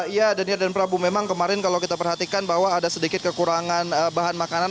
iya daniel dan prabu memang kemarin kalau kita perhatikan bahwa ada sedikit kekurangan bahan makanan